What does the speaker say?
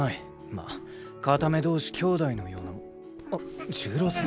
まあ片目同士兄弟のような。あっ重郎さん。